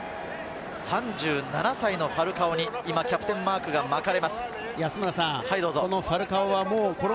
３７歳のファルカオに今キャプテンマークが巻かれます。